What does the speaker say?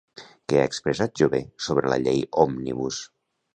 Què ha expressat Jover sobre la llei òmnibus?